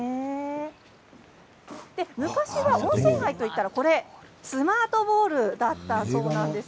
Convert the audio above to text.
昔は温泉街と言ったらスマートボールだったそうです。